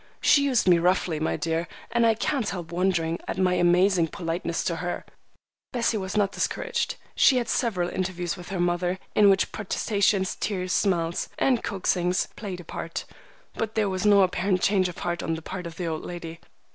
She used me roughly, my dear, and I can't help wondering at my amazing politeness to her." Bessie was not discouraged. She had several interviews with her mother, in which protestations, tears, smiles, and coaxings played a part, but there was no apparent change of heart on the part of the old lady, after all.